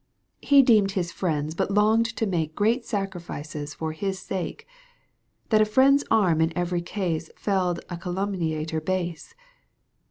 He deemed his friends but longed to make Great sacrifices for his sake ! That a friend's arm in every case Felled a calumniator base